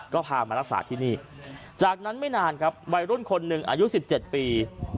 ก็พามารักษาที่นี่จากนั้นไม่นานครับวัยรุ่นคนหนึ่งอายุ๑๗ปี